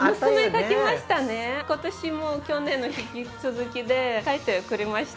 今年も去年の引き続きで描いてくれました。